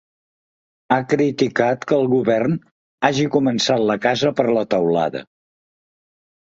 Ha criticat que el govern ‘hagi començat la casa per la teulada’.